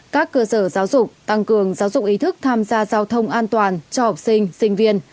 các cơ sở giáo dục tăng cường giáo dục ý thức tham gia giao thông an toàn cho học sinh sinh viên